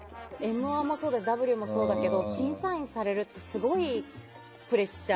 「Ｍ‐１」もそうだし「ＴＨＥＷ」もそうだけど審査員されるってすごいプレッシャー。